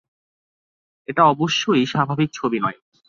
এটা অবশ্যই স্বাভাবিক ছবি নয়।